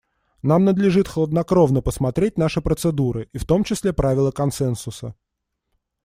Нам надлежит хладнокровно посмотреть наши процедуры, и в том числе правило консенсуса.